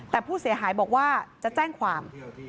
แต่ผู้เสียหายบอกว่าจะแจ้งความ